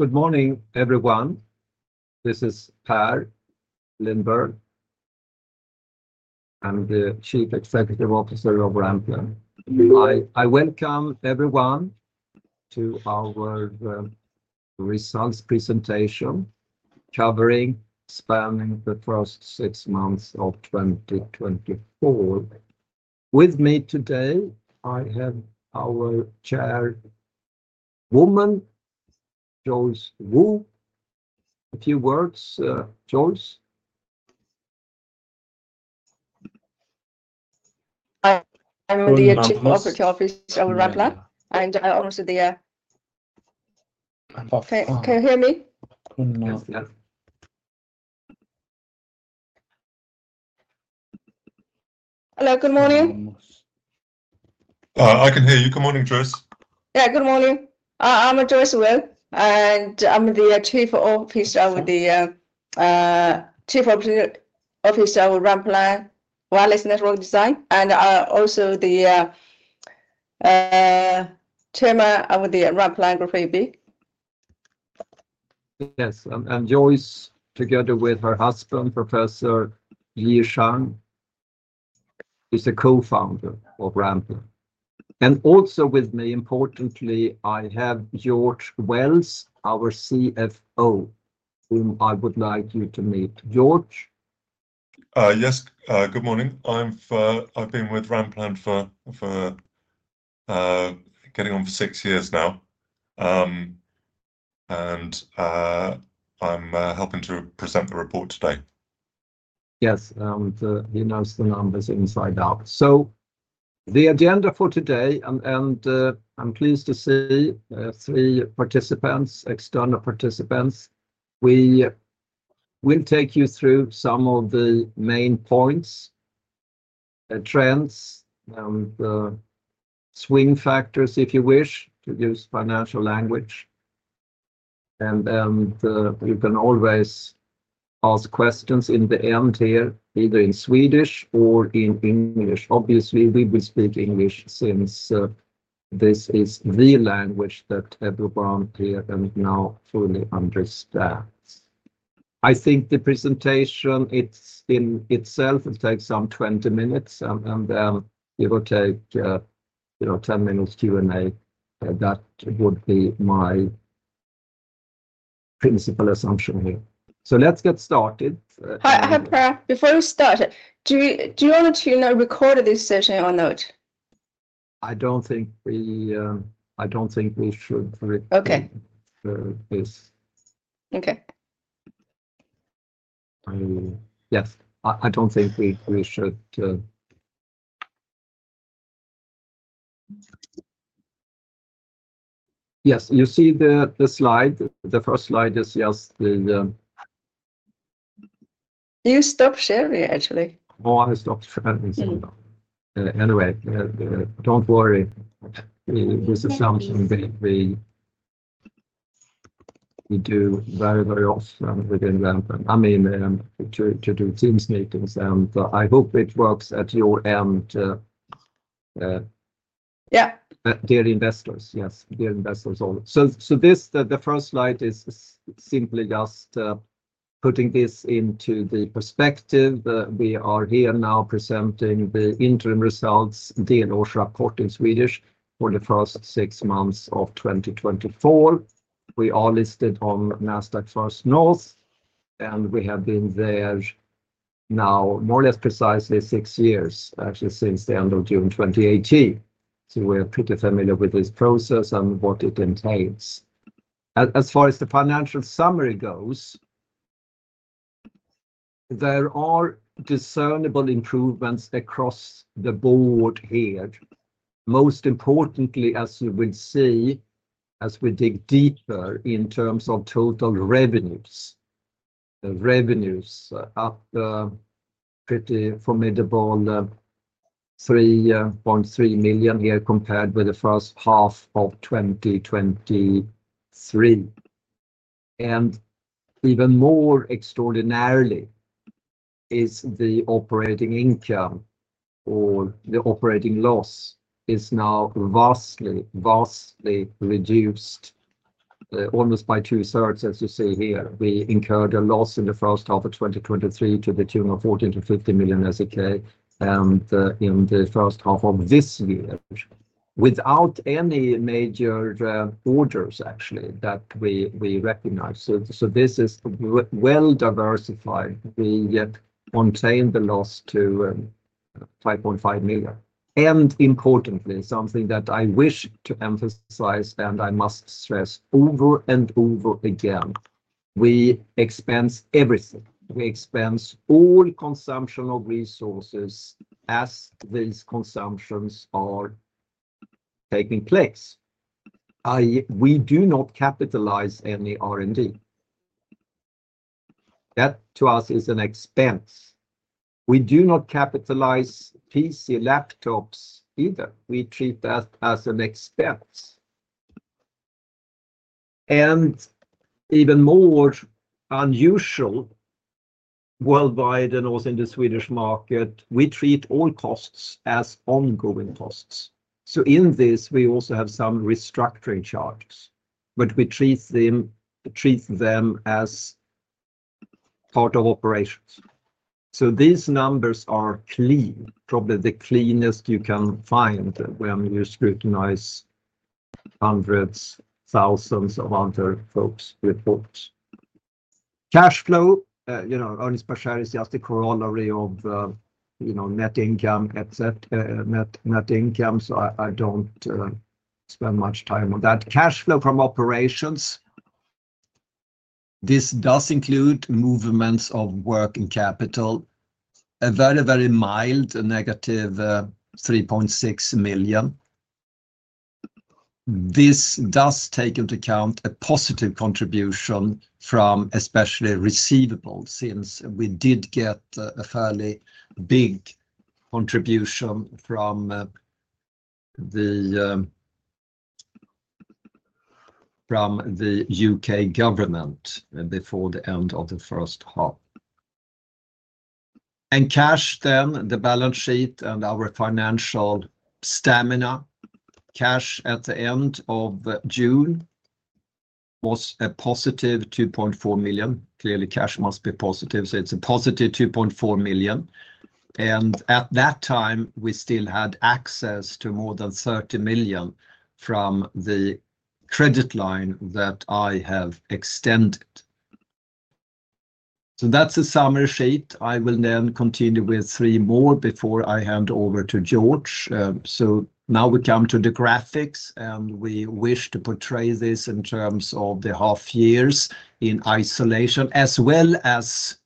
Good morning, everyone. This is Per Lindberg. I'm the Chief Executive Officer of Ranplan. I welcome everyone to our results presentation, covering, spanning the first six months of 2024. With me today, I have our chairwoman, Joyce Wu. A few words, Joyce? I'm the Chief Operating Officer of Ranplan, and I'm also the. Can you hear me? Yes, yes. Hello, good morning. I can hear you. Good morning, Joyce. Yeah, good morning. I'm Joyce Wu, and I'm the Chief Operating Officer with Ranplan Wireless Network Design, and also the chairman of the Ranplan Group AB. Yes, Joyce, together with her husband, Professor Yi Shang, is a co-founder of Ranplan. With me, importantly, I have George Wells, our CFO, whom I would like you to meet. George? Yes, good morning. I've been with Ranplan for getting on for six years now. And, I'm helping to present the report today. Yes, and he knows the numbers inside out. The agenda for today, I'm pleased to see three external participants. We will take you through some of the main points, the trends, and the swing factors, if you wish, to use financial language. You can always ask questions in the end here, either in Swedish or in English. Obviously, we will speak English since this is the language that everyone here can now fully understand. I think the presentation, it's in itself, it takes some 20 minutes, and it will take 10 minutes Q&A. That would be my principal assumption here. Let's get started. Hi, Per. Before we start, do you want to, record this session or not? I don't think we should record Okay. Yes, I don't think we should. Yes, you see the slide? The first slide is, yes, the You stopped sharing, actually. Oh, I stopped sharing. Anyway, don't worry. This is something that we do very, very often within Ranplan. I mean, to do Teams meetings, and I hope it works at your end. Yeah Dear investors. Yes, dear investors all. This, the first slide is simply just putting this into the perspective. We are here now presenting the interim results, the annual report in Swedish, for the first six months of 2024. We are listed on Nasdaq First North, and we have been there now, more or less precisely six years, actually since the end of June 2018. We're pretty familiar with this process and what it entails. As far as the financial summary goes, there are discernible improvements across the board here. Most importantly, as you will see, as we dig deeper in terms of total revenues, the revenues up pretty formidable 3.3 million here, compared with the first half of 2023. Even more extraordinarily is the operating income, or the operating loss is now vastly, vastly reduced, almost by two-thirds, as you see here. We incurred a loss in the first half of 2023 to the tune of 14-15 million SEK, and in the first half of this year, without any major orders, actually, that we recognize. So this is well diversified. We yet contain the loss to 5.5 million. Importantly, something that I wish to emphasize, and I must stress over and over again, we expense everything. We expense all consumption of resources as these consumptions are taking place, i.e., we do not capitalize any R&D. That, to us, is an expense. We do not capitalize PC, laptops either. We treat that as an expense. Even more unusual. Worldwide and also in the Swedish market, we treat all costs as ongoing costs. In this, we also have some restructuring charges, but we treat them as part of operations. These numbers are clean, probably the cleanest you can find when you scrutinize hundreds, thousands of other folks' reports. Cash flow, earnings per share is just a corollary of net income, et cetera, net income, so I don't spend much time on that. Cash flow from operations, this does include movements of working capital, a very, very mild, a negative 3.6 million. This does take into account a positive contribution from especially receivables, since we did get a fairly big contribution from the UK government before the end of the first half. Cash then, the balance sheet and our financial stamina. Cash at the end of June was a positive 2.4 million. Clearly, cash must be positive, so it's a positive 2.4 million, and at that time, we still had access to more than 30 million from the credit line that I have extended. That's a summary sheet. I will then continue with 3 more before I hand over to George. Now we come to the graphics, and we wish to portray this in terms of the half years in isolation, as well as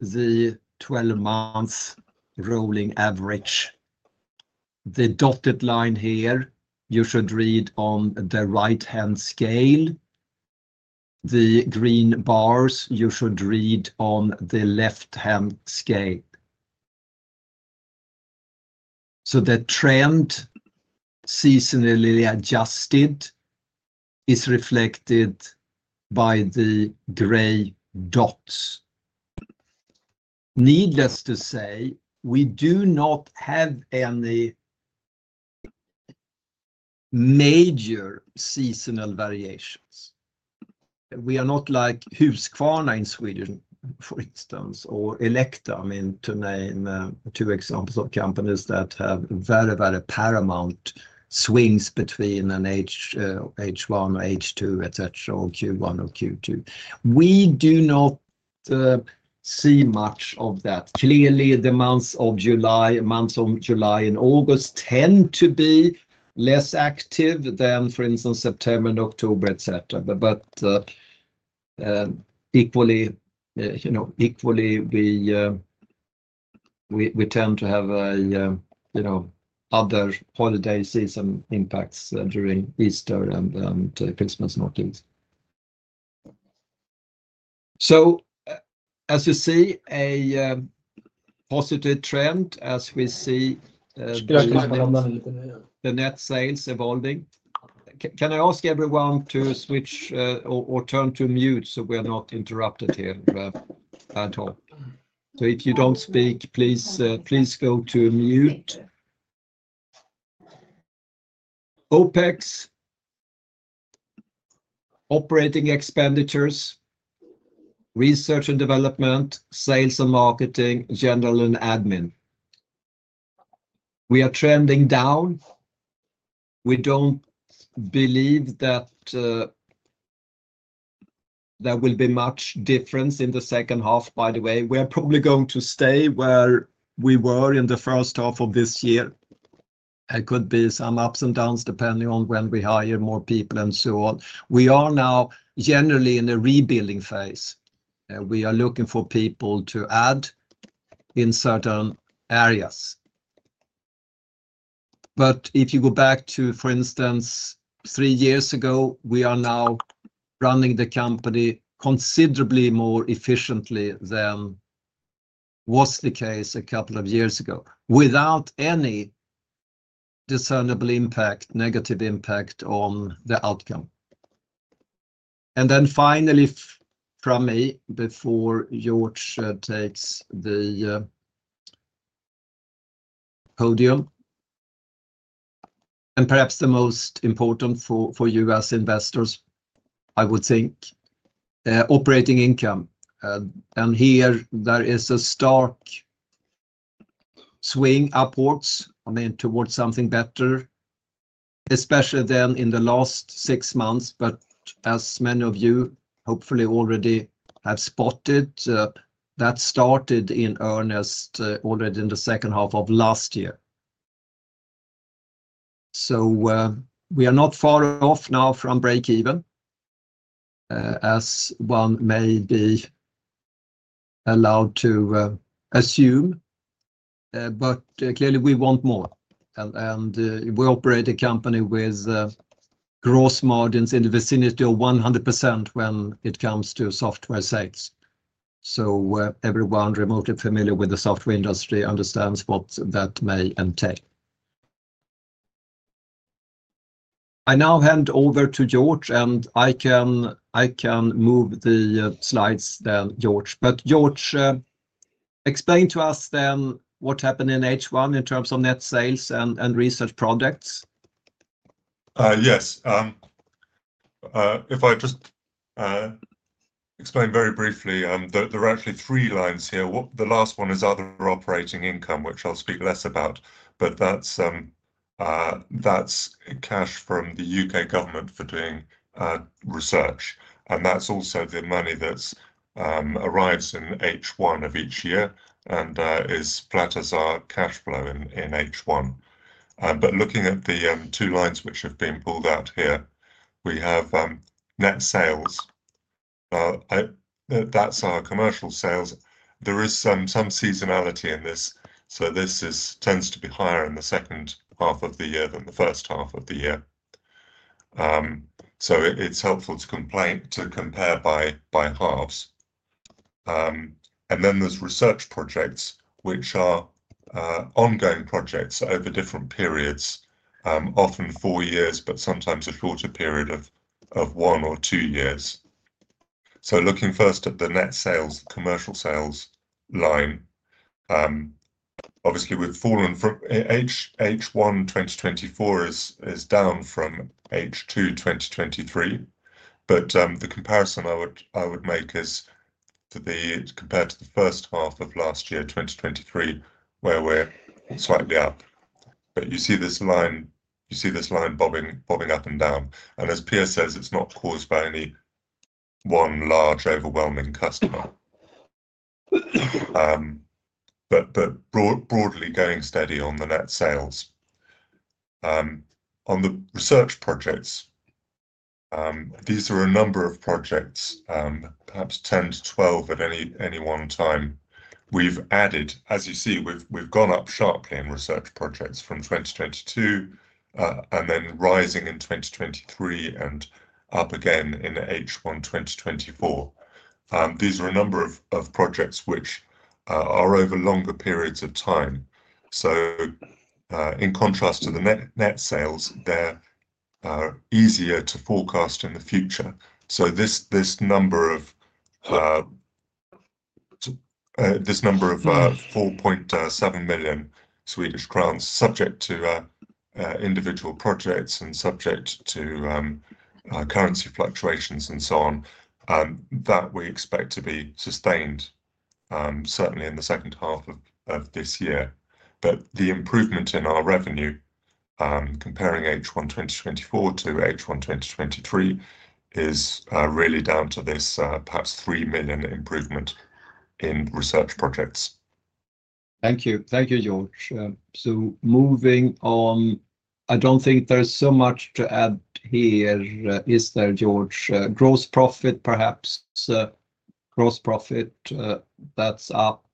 the 12-month rolling average. The dotted line here, you should read on the right-hand scale. The green bars, you should read on the left-hand scale. The trend, seasonally adjusted, is reflected by the gray dots. Needless to say, we do not have any major seasonal variations. We are not like Husqvarna in Sweden, for instance, or Elekta, I mean, to name two examples of companies that have very, very prominent swings between an H1 or H2, et cetera, or Q1 or Q2. We do not see much of that. Clearly, the months of July and August tend to be less active than, for instance, September and October, et cetera. Equally we tend to have other holiday season impacts during Easter and Christmas and all things. As you see, a positive trend as we see the net sales evolving. Can I ask everyone to switch or turn to mute so we are not interrupted here at all? If you don't speak, please, please go to mute. OpEx, operating expenditures, research and development, sales and marketing, general and admin. We are trending down. We don't believe that there will be much difference in the second half, by the way. We are probably going to stay where we were in the first half of this year. There could be some ups and downs, depending on when we hire more people and so on. We are now generally in a rebuilding phase, and we are looking for people to add in certain areas. But if you go back to, for instance, three years ago, we are now running the company considerably more efficiently than was the case a couple of years ago, without any discernible impact, negative impact on the outcome. Then finally, from me, before George takes the podium, and perhaps the most important for you as investors, I would think, operating income. And here there is a stark swing upwards, I mean, towards something better, especially then in the last six months. But as many of you hopefully already have spotted, that started in earnest, already in the second half of last year. We are not far off now from breakeven, as one may be allowed to assume, but clearly we want more. We operate a company with gross margins in the vicinity of 100% when it comes to software sales. So, everyone remotely familiar with the software industry understands what that may entail. I now hand over to George, and I can move the slides then, George. George, explain to us then what happened in H1 in terms of net sales and research projects. Yes. If I just explain very briefly, there are actually three lines here. The last one is other operating income, which I'll speak less about, but that's cash from the UK government for doing research, and that's also the money that arrives in H1 of each year and is flat as our cash flow in H1. Looking at the two lines which have been pulled out here, we have net sales. That's our commercial sales. There is some seasonality in this, so this tends to be higher in the second half of the year than the first half of the year. It is helpful to compare by halves. Then there's research projects, which are ongoing projects over different periods, often four years, but sometimes a shorter period of one or two years. Looking first at the net sales, commercial sales line, obviously we've fallen from H1 2024, which is down from H2 2023, but the comparison I would make is compared to the first half of last year, 2023, where we're slightly up. But you see this line, you see this line bobbing, bobbing up and down, and as Per says, it's not caused by any one large, overwhelming customer. But broadly, going steady on the net sales. On the research projects, these are a number of projects, perhaps 10-12 at any one time. We've added... As you see, we've gone up sharply in research projects from 2022 and then rising in 2023 and up again in H1 2024. These are a number of projects which are over longer periods of time. In contrast to the net sales, they're easier to forecast in the future. This number of 4.7 million Swedish crowns, subject to individual projects and subject to currency fluctuations and so on, that we expect to be sustained certainly in the second half of this year. But the improvement in our revenue, comparing H1 2024 to H1 2023, is really down to this perhaps 3 million improvement in research projects. Thank you. Thank you, George. Moving on, I don't think there is so much to add here, is there, George? Gross profit, perhaps, gross profit, that's up.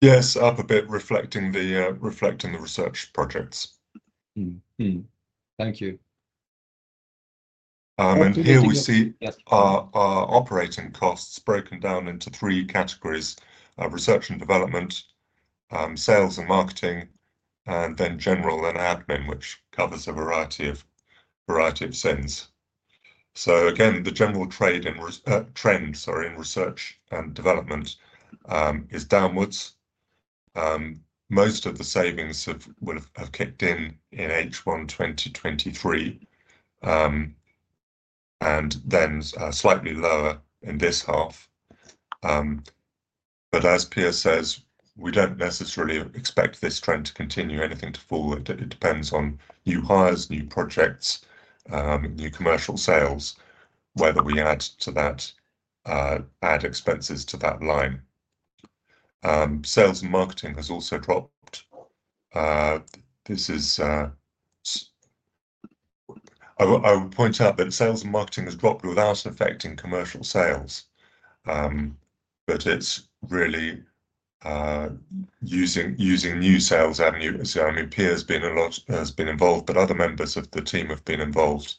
Yes, up a bit, reflecting the research projects. Thank you. Here we see our operating costs broken down into three categories: research and development, sales and marketing, and then general and admin, which covers a variety of sins. Again, the general trend, sorry, in research and development, is downwards. Most of the savings have kicked in in H1 2023, and then slightly lower in this half. As Per says, we don't necessarily expect this trend to continue, anything to fall. It depends on new hires, new projects, new commercial sales, whether we add to that, add expenses to that line. Sales and marketing has also dropped. I would point out that sales and marketing has dropped without affecting commercial sales. It's really using new sales avenues. I mean, Peter has been involved, but other members of the team have been involved.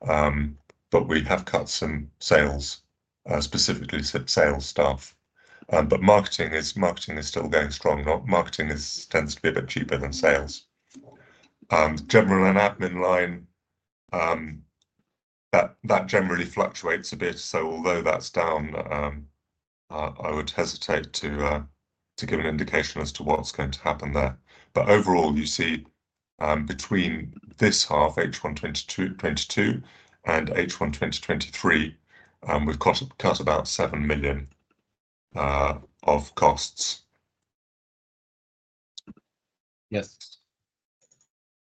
We have cut some sales, specifically some sales staff. Marketing is, marketing is still going strong. Now, marketing tends to be a bit cheaper than sales. General and admin line, that generally fluctuates a bit, so although that's down, I would hesitate to give an indication as to what's going to happen there. Overall, you see, between this half, H1 2022 and H1 2023, we've cut about 7 million of costs. Yes.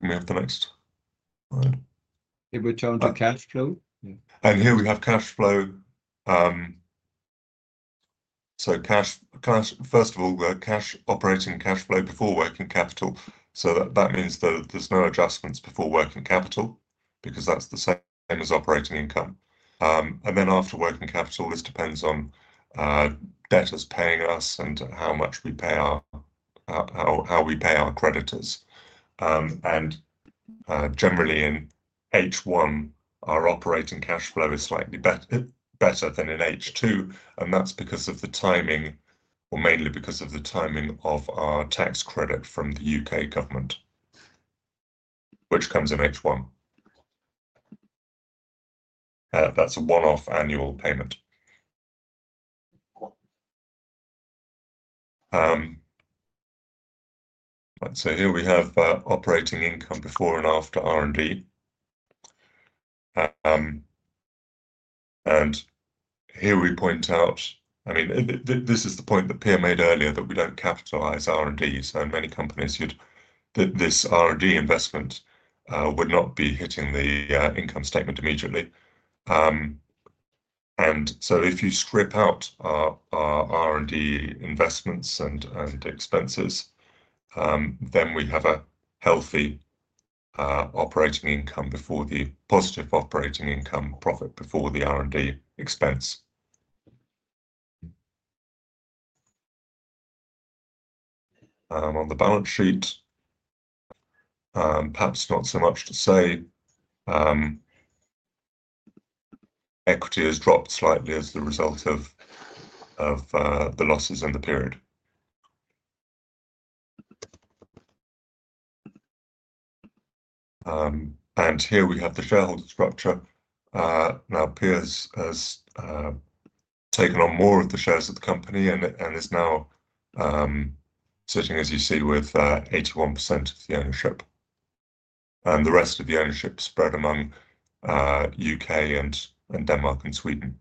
May I have the next one? If we turn to cash flow. Here we have cash flow. Cash, first of all, the cash operating cash flow before working capital, so that means that there's no adjustments before working capital, because that's the same as operating income. Then after working capital, this depends on, debtors paying us and how we pay our creditors. Generally in H1, our operating cash flow is slightly better than in H2 and that's because of the timing, or mainly because of the timing of our tax credit from the UK government, which comes in H1. That's a one-off annual payment. Here we have, operating income before and after R&D. Here we point out, I mean, this is the point that Per made earlier, that we don't capitalize R&D, so in many companies you'd this R&D investment would not be hitting the income statement immediately. And so if you strip out our R&D investments and expenses, then we have a healthy operating income before positive operating income profit before the R&D expense. On the balance sheet, perhaps not so much to say. Equity has dropped slightly as the result of the losses in the period. Here we have the shareholder structure. Now Per has taken on more of the shares of the company and is now sitting, as you see, with 81% of the ownership. The rest of the ownership spread among UK and Denmark and Sweden,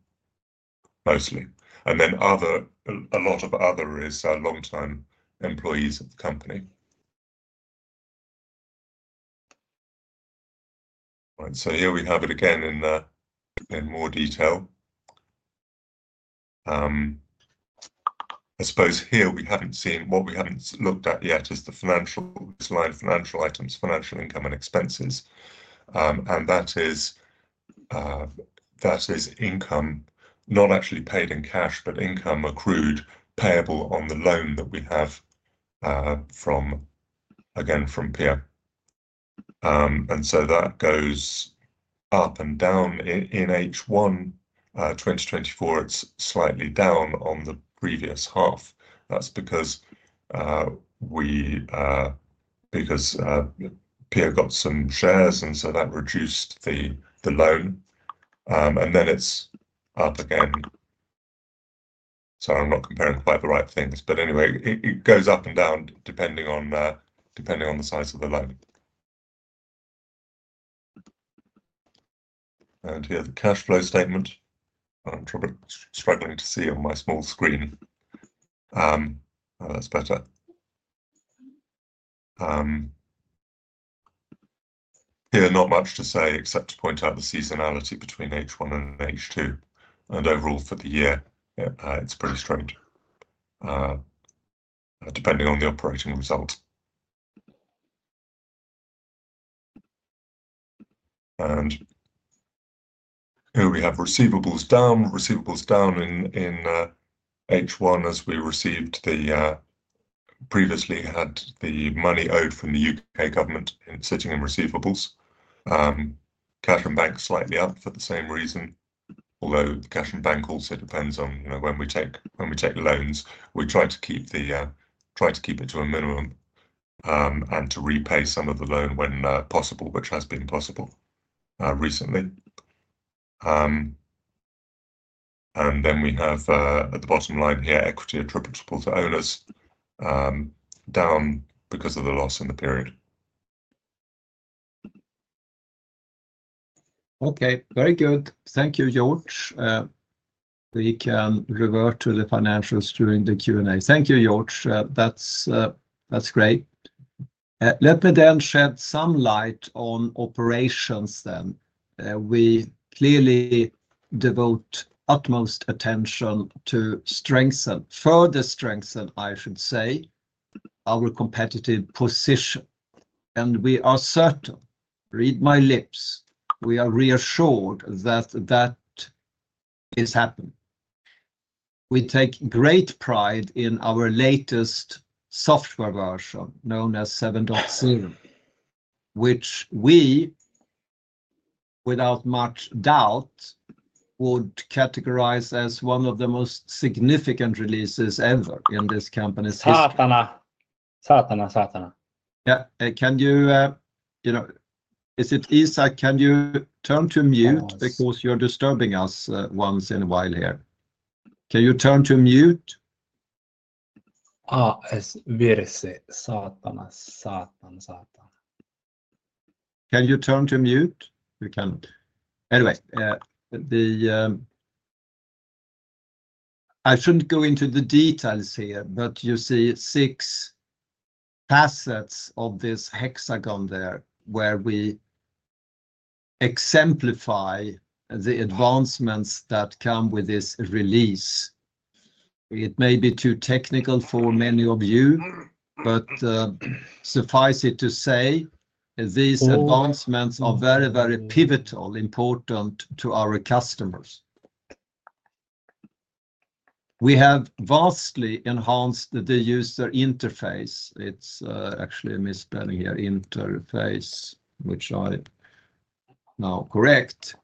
mostly. Then other, a lot of other is long-time employees of the company. Right, so here we have it again in more detail. I suppose here we haven't seen what we haven't looked at yet is the financial line financial items, financial income and expenses. That is income not actually paid in cash, but income accrued payable on the loan that we have from, again, from Per. That goes up and down in H1 2024, it's slightly down on the previous half. That's because Per got some shares, and so that reduced the loan. Then it's up again. Sorry, I'm not comparing quite the right things, but anyway, it goes up and down, depending on the size of the loan. Here, the cash flow statement. I'm struggling to see on my small screen. That's better. Here, not much to say, except to point out the seasonality between H1 and H2, and overall for the year, it's pretty strange, depending on the operating result. Here we have receivables down, receivables down in H1 as we received the previously had the money owed from the UK government sitting in receivables. Cash and banks slightly up for the same reason, although cash and bank also depends on when we take, when we take loans. We try to keep it to a minimum, and to repay some of the loan when possible, which has been possible recently. And then we have at the bottom line here, equity attributable to owners down because of the loss in the period. Okay, very good. Thank you, George. We can revert to the financials during the Q&A. Thank you, George. That's, that's great. Let me then shed some light on operations then. We clearly devote utmost attention to strengthen, further strengthen, I should say, our competitive position. We are certain, read my lips, we are reassured that that is happening. We take great pride in our latest software version, known as 7.0, which we, without much doubt, would categorize as one of the most significant releases ever in this company's history. Can you turn to mute? You're disturbing us once in a while here. Can you turn to mute? Can you turn to mute? Anyway, I shouldn't go into the details here, but you see six facets of this hexagon there, where we exemplify the advancements that come with this release. It may be too technical for many of you, but suffice it to say, these advancements are very, very pivotal, important to our customers. We have vastly enhanced the user interface. It's actually a misspelling here, interface, which I now correct.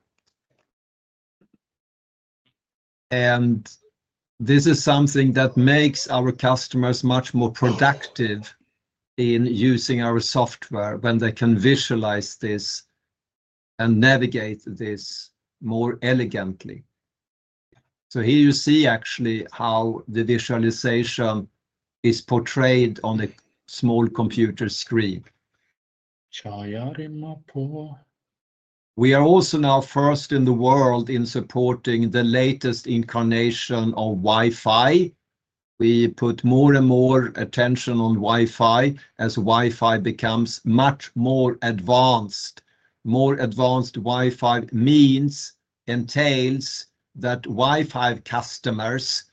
This is something that makes our customers much more productive in using our software when they can visualize this and navigate this more elegantly. Here you see actually how the visualization is portrayed on a small computer screen. We are also now first in the world in supporting the latest incarnation of Wi-Fi. We put more and more attention on Wi-Fi as Wi-Fi becomes much more advanced. More advanced Wi-Fi means, entails that Wi-Fi customers,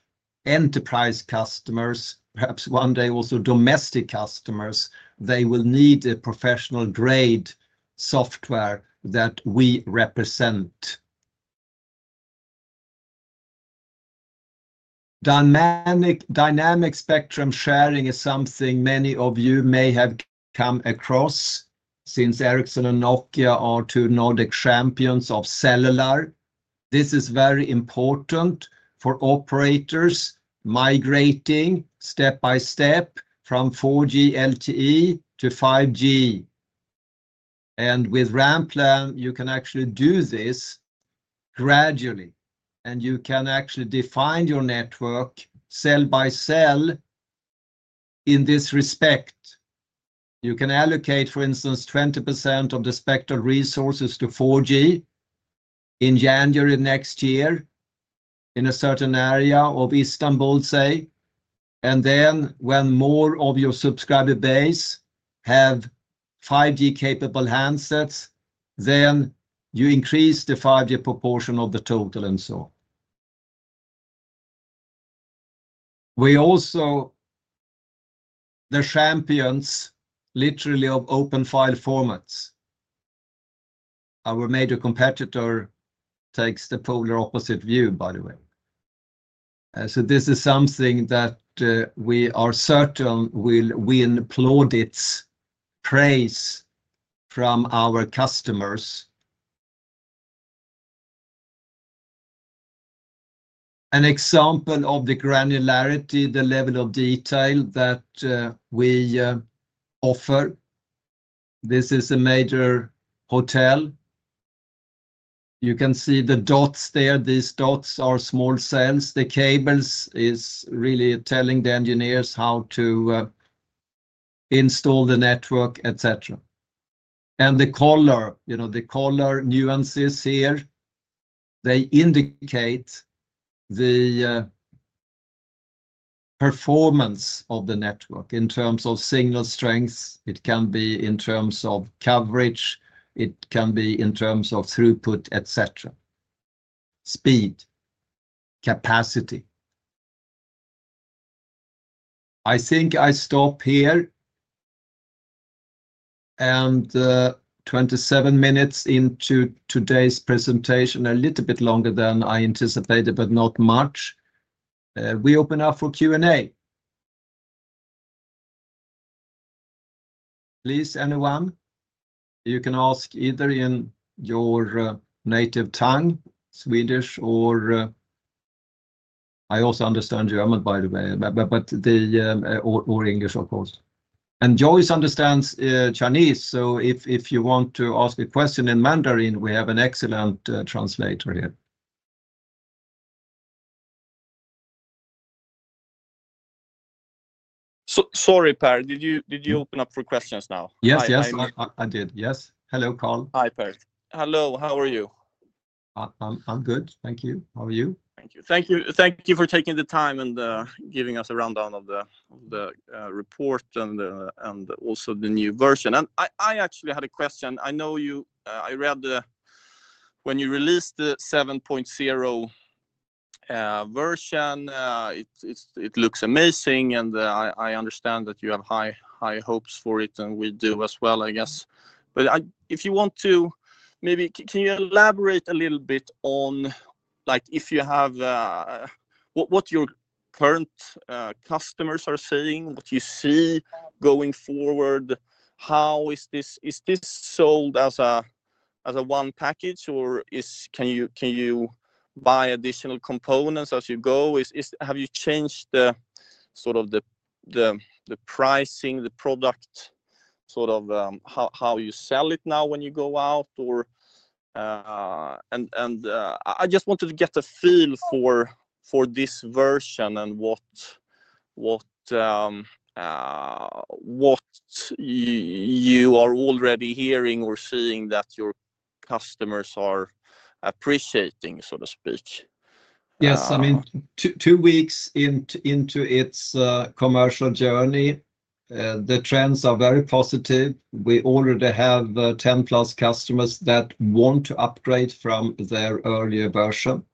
enterprise customers, perhaps one day also domestic customers, they will need a professional grade software that we represent. Dynamic Spectrum Sharing is something many of you may have come across, since Ericsson and Nokia are two Nordic champions of cellular. This is very important for operators migrating step by step from 4G LTE to 5G. With Ranplan, you can actually do this gradually, and you can actually define your network cell by cell in this respect. You can allocate, for instance, 20% of the spectral resources to 4G in January next year, in a certain area of Istanbul, say, and then when more of your subscriber base have 5G-capable handsets, then you increase the 5G proportion of the total, and so on. We're also the champions, literally, of open file formats. Our major competitor takes the polar opposite view, by the way. This is something that we are certain will win plaudits and praise from our customers. An example of the granularity, the level of detail that we offer, this is a major hotel. You can see the dots there. These dots are small cells. The cables is really telling the engineers how to install the network, et cetera. The color, nuances here, they indicate the performance of the network in terms of signal strength. It can be in terms of coverage, it can be in terms of throughput, et cetera. Speed, capacity. I think I stop here, and 27 minutes into today's presentation, a little bit longer than I anticipated, but not much. We open up for Q&A. Please, anyone, you can ask either in your native tongue, Swedish or. I also understand German, by the way, but the or English. Joyce understands Chinese, so if you want to ask a question in Mandarin, we have an excellent translator here. Sorry, Per, did you, did you open up for questions now? Yes. Yes, I did. Yes. Hello, Carl. Hi, Per. Hello, how are you? I'm good, thank you. How are you? Thank you for taking the time and giving us a rundown of the report and also the new version. I actually had a question. I know you. I read the... When you released the 7.0 version, it looks amazing, and I understand that you have high hopes for it, and we do as well. If you want to, maybe can you elaborate a little bit on, like, if you have what your current customers are saying, what you see going forward? Is this sold as a one package, or can you buy additional components as you go? Have you changed the pricing, the product, how you sell it now when you go out or. I just wanted to get a feel for this version and what you are already hearing or seeing that your customers are appreciating, so to speak? Yes, I mean, 2 weeks into its commercial journey, the trends are very positive. We already have 10+ customers that want to upgrade from their earlier version.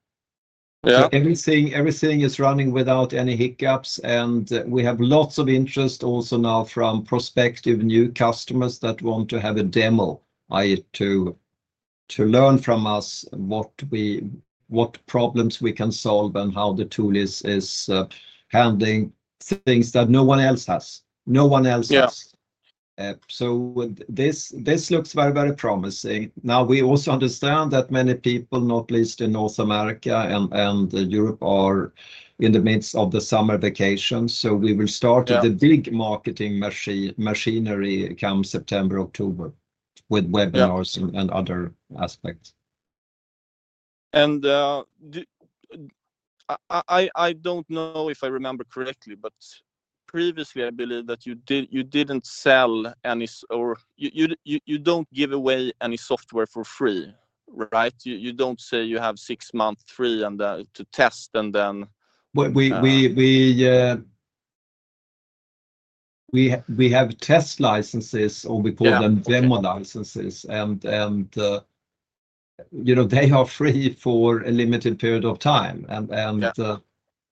Yeah. Everything, everything is running without any hiccups, and we have lots of interest also now from prospective new customers that want to have a demo, i.e., to learn from us what we, what problems we can solve, and how the tool is handling things that no one else has. No one else has. Yeah. With this looks very, very promising. Now, we also understand that many people, not least in North America and, and Europe, are in the midst of the summer vacation, so we will start- Yeah The big marketing machinery come September, October, with webinars and other aspects. I don't know if I remember correctly, but previously, I believe that you didn't sell any, or you don't give away any software for free, right? You don't say you have six months free, and to test and then, Well, we have test licenses, or we call them demo licenses, they are free for a limited period of time.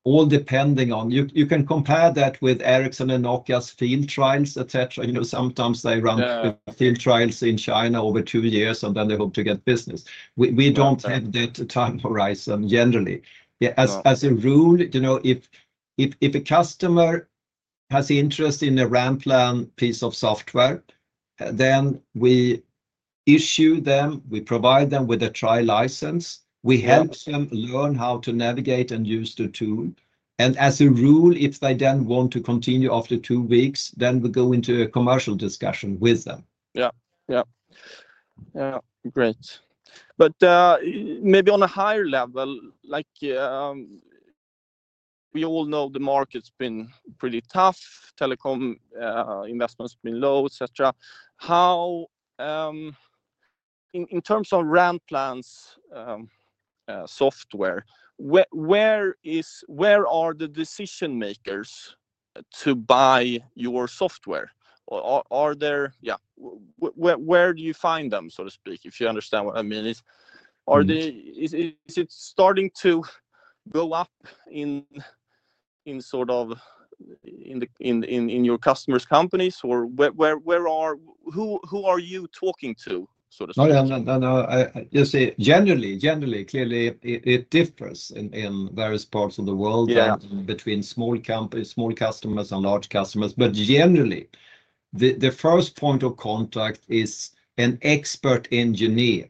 All depending on you, you can compare that with Ericsson and Nokia's field trials, et cetera. Sometimes they run field trials in China over 2 years, and then they hope to get business. We, we don't have that time horizon generally. As a rule if a customer has interest in a Ranplan piece of software, then we issue them, we provide them with a trial license. Yeah. We help them learn how to navigate and use the tool, and as a rule, if they then want to continue after two weeks, then we go into a commercial discussion with them. Yeah. Great. Maybe on a higher level, like, we all know the market's been pretty tough. Telecom, investment's been low, et cetera. How, in terms of Ranplan's software, where are the decision-makers to buy your software? Where do you find them, so to speak, if you understand what I mean? Is it starting to go up in your customers' companies or where? Who are you talking to, so to speak? No, yeah, no, no. You see, generally, clearly it differs in various parts of the world- Yeah Between small companies, small customers, and large customers. Generally, the first point of contact is an expert engineer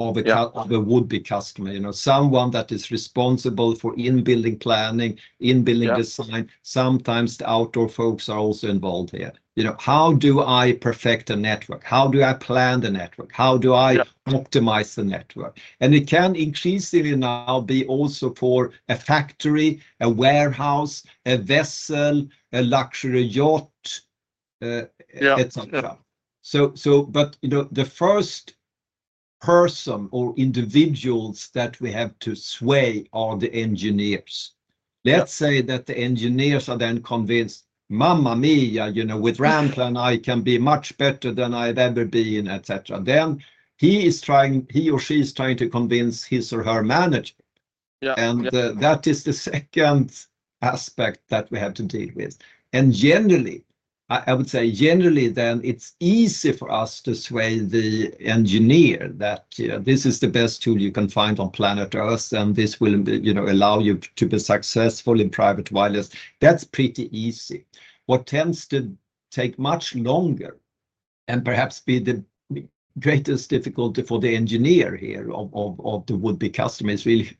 of a would-be customer, someone that is responsible for in-building planning, in building design. Sometimes the outdoor folks are also involved here. How do I perfect a network? How do I plan the network? How do I optimize the network? It can increasingly now be also for a factory, a warehouse, a vessel, a luxury yacht. The first person or individuals that we have to sway are the engineers. Yeah. Let's say that the engineers are then convinced, "Mamma mia, with Ranplan, I can be much better than I've ever been," et cetera. Then he is trying, he or she is trying to convince his or her management. Yeah. Yeah. That is the second aspect that we have to deal with. Generally, I would say generally then, it's easy for us to sway the engineer that this is the best tool you can find on planet Earth, and this will, allow you to be successful in private wireless. That's pretty easy. What tends to take much longer, and perhaps be the greatest difficulty for the engineer here, would be customers, really,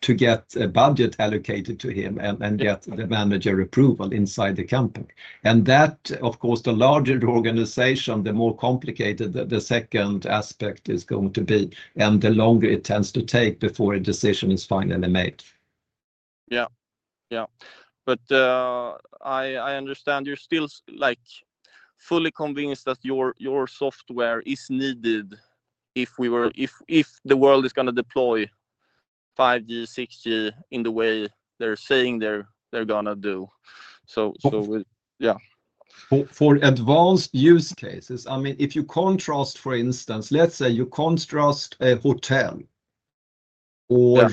to get a budget allocated to him and get the manager approval inside the company. The larger the organization, the more complicated the second aspect is going to be, and the longer it tends to take before a decision is finally made. Yeah, yeah. I understand you're still, like, fully convinced that your software is needed if the world is going to deploy 5G, 6G in the way they're saying they're going to do For advanced use cases, I mean, if you contrast, for instance, let's say you contrast a hotel or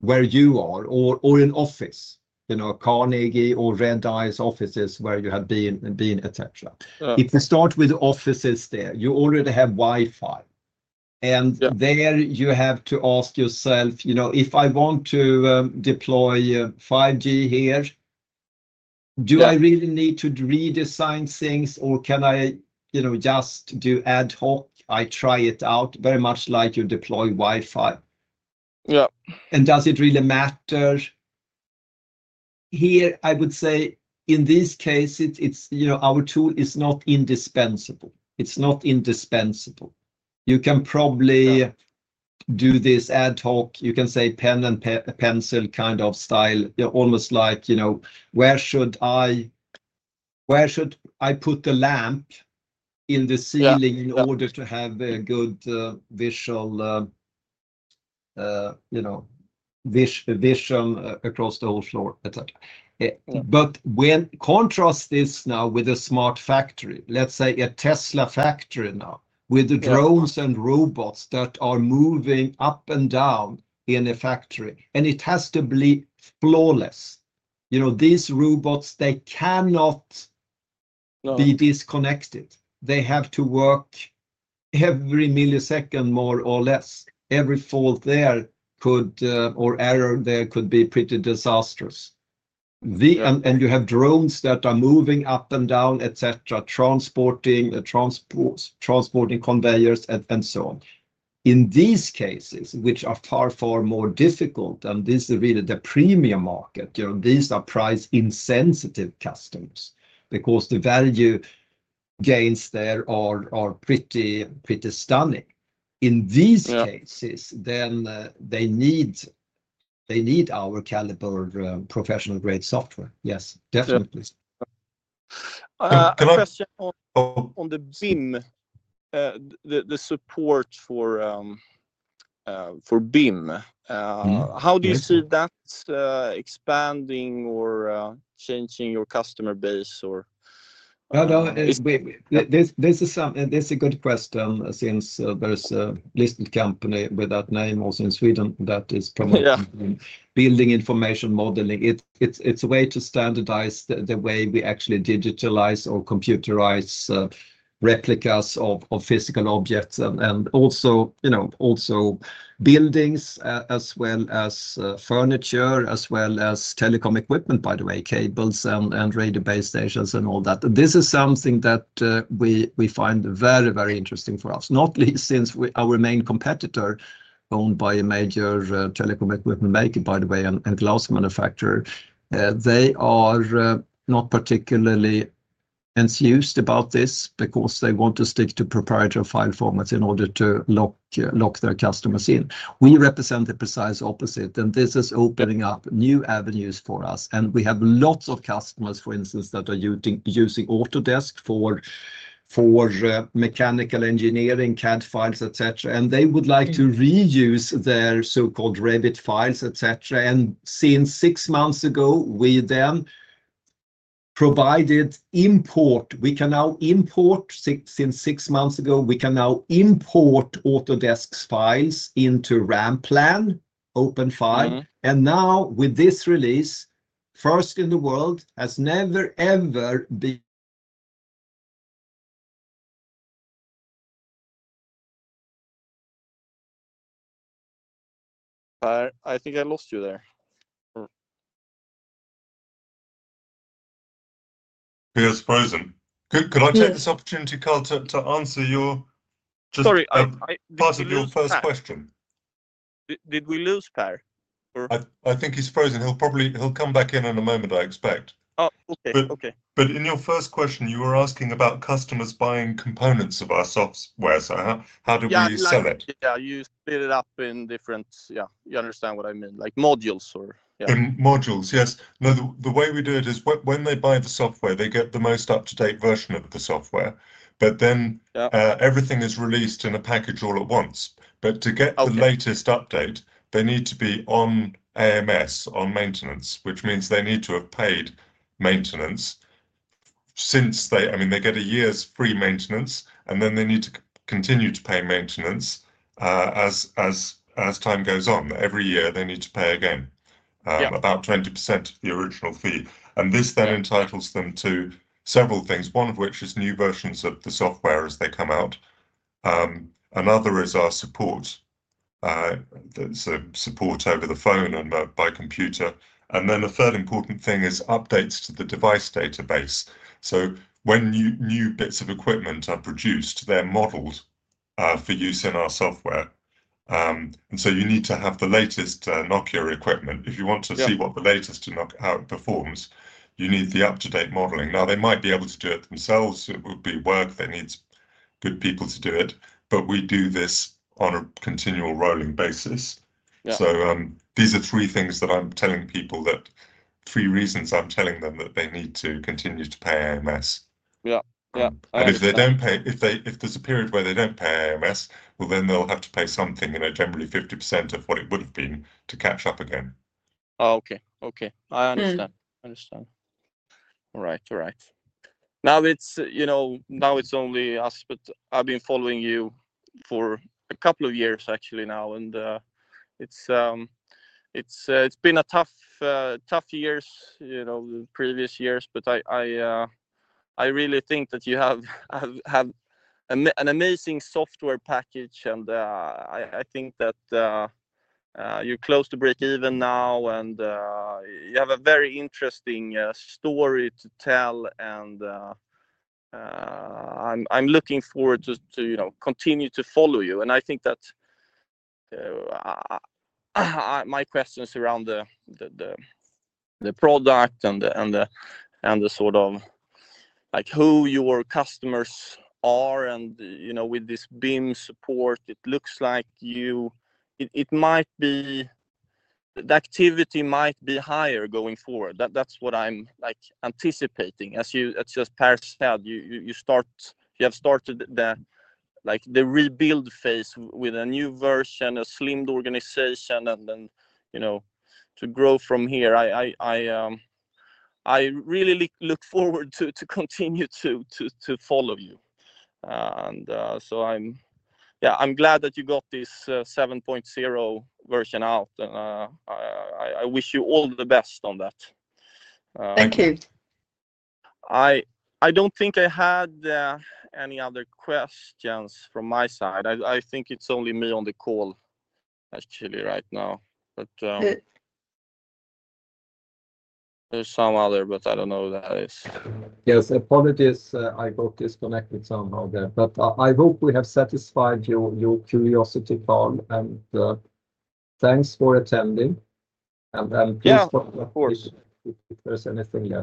where you are or an office, Carnegie or Redeye's offices where you have been, et cetera. If you start with offices there, you already have Wi-Fi. There you have to ask yourself, "If I want to deploy 5G here? Do I really need to redesign things, or can I just do ad hoc? I try it out," very much like you deploy Wi-Fi. Yeah. Does it really matter? Here, I would say in this case, it's our tool is not indispensable. It's not indispensable. You can probably do this ad hoc. You can say pen and pencil style. Yeah, almost like, where should I, where should I put the lamp in the ceiling? In order to have a good visual, vision across the whole floor, et cetera. Contrast this now with a smart factory, let's say a Tesla factory now with the drones and robots that are moving up and down in a factory, and it has to be flawless. These robots, they cannot be disconnected. They have to work every millisecond, more or less. Every fault there could, or error there could be pretty disastrous. You have drones that are moving up and down, et cetera, transporting transports, transporting conveyors, and so on. In these cases, which are far, far more difficult, and this is really the premium market, these are price-insensitive customers because the value gains there are pretty, pretty stunning. In these cases, then they need, they need our caliber of, professional-grade software. Yes, definitely. A question on the BIM support for BIM. How do you see that expanding or changing your customer base or- This is a good question, since there is a listed company with that name also in Sweden that is promoting building information modeling. It is a way to standardize the way we actually digitalize or computerize replicas of physical objects and also buildings, as well as furniture, as well as telecom equipment, by the way, cables and radio base stations and all that. This is something that we find very, very interesting for us, not least since our main competitor, owned by a major telecom equipment maker, by the way, and glass manufacturer, they are not particularly enthused about this because they want to stick to proprietary file formats in order to lock their customers in. We represent the precise opposite, and this is opening up new avenues for us. We have lots of customers, for instance, that are using Autodesk for mechanical engineering, CAD files, et cetera. They would like to reuse their so-called Revit files, et cetera. Since six months ago, we then provided import. We can now import Autodesk's files into Ranplan open file. Now, with this release, first in the world, Per, I think I lost you there. He has frozen. Yeah. Could I take this opportunity, Carl, to answer your part of your first question. Did we lose Peter? I think he's frozen. He'll probably... He'll come back in a moment, I expect. Oh, okay. But in your first question, you were asking about customers buying components of our software, so how, how do we sell it? Yeah, like, yeah, you split it up in different. Yeah, you understand what I mean, like modules or... Yeah. In modules, yes. Now, the way we do it is when they buy the software, they get the most up-to-date version of the software. Then everything is released in a package all at once. To get the latest update, they need to be on AMS, on maintenance, which means they need to have paid maintenance since they. I mean, they get a year's free maintenance, and then they need to continue to pay maintenance as time goes on. Every year, they need to pay again. Yeah. About 20% of the original fee. This then entitles them to several things, one of which is new versions of the software as they come out. Another is our support, the support over the phone and by computer. Then the third important thing is updates to the device database. When new bits of equipment are produced, they're modeled for use in our software. You need to have the latest Nokia equipment if you want to see what the latest in Nokia, how it performs. You need the up-to-date modeling. Now, they might be able to do it themselves. It would be work that needs good people to do it, but we do this on a continual rolling basis. Yeah. These are three things that I'm telling people that, three reasons I'm telling them that they need to continue to pay AMS. Yeah, yeah. I understand. If there's a period where they don't pay AMS, well, then they'll have to pay something generally 50% of what it would've been, to catch up again. Oh, okay, okay. Mm. I understand. All right, all right. Now it's only us, but I've been following you for a couple of years actually now, and it's been a tough years, the previous years. I really think that you have an amazing software package, and I think that you're close to breakeven now, and you have a very interesting story to tell. I'm looking forward to continue to follow you. I think that my questions around the product and the like who your customers are and with this BIM support, it looks like you... It might be, the activity might be higher going forward. That, that's what I'm like anticipating. As just Per said, you have started the rebuild phase with a new version, a slimmed organization, and then to grow from here. I really look forward to continue to follow you. I'm glad that you got this 7.0 version out, and I wish you all the best on that. Thank you. I don't think I had any other questions from my side. I think it's only me on the call actually right now. There's some other, but I don't know who that is. Yes, apologies. I got disconnected somehow there. I hope we have satisfied your, your curiosity, Carl, and, thanks for attending. Yeah, of course. If there's anything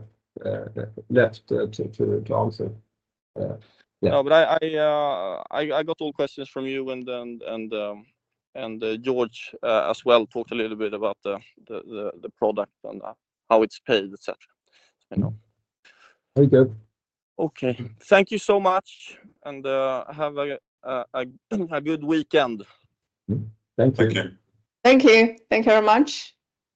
left to answer. Yeah. No, but I got all questions from you and George, as well, talked a little bit about the product and how it's paid, et cetera. Very good. Okay. Thank you so much, and have a good weekend. Thank you. Thank you. Thank you. Thank you very much!